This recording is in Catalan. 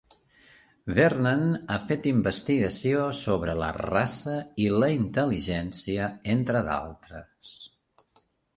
Vernon ha fet investigació sobre la raça i la intel·ligència, entre d'altres.